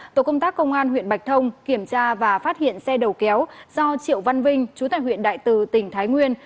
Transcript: tổ công tác công an huyện bạch thông kiểm tra và phát hiện xe đầu kéo do triệu văn vinh chú tại huyện đại từ tỉnh thái nguyên